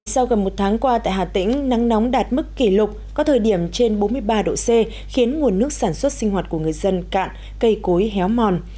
sau gần một tháng qua tại hà tĩnh nắng nóng đạt mức kỷ lục có thời điểm trên bốn mươi ba độ c khiến nguồn nước sản xuất sinh hoạt của người dân cạn cây cối héo mòn